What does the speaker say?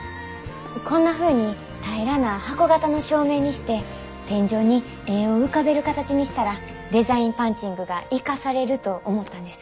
こんなふうに平らな箱形の照明にして天井に絵を浮かべる形にしたらデザインパンチングが生かされると思ったんです。